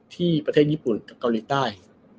ที่ประเทศญี่ปุ่นกับเกาหลีใต้